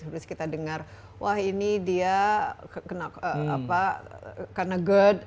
terus kita dengar wah ini dia kena karena gerd